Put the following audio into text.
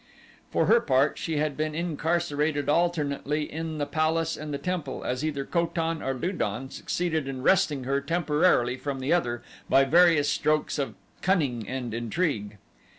For her part, she had been incarcerated alternately in the palace and the temple as either Ko tan or Lu don succeeded in wresting her temporarily from the other by various strokes of cunning and intrigue.